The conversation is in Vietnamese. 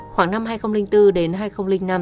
khoảng năm hai nghìn bốn đến hai nghìn năm